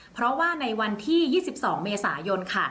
เพราะว่าในวันที่๒๒เมษายนค่ะ